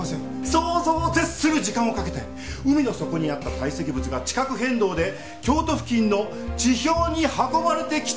想像を絶する時間をかけて海の底にあった堆積物が地殻変動で京都付近の地表に運ばれてきた。